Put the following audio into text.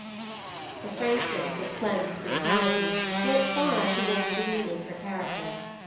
The frankness of Clem's brutality went far towards redeeming her character.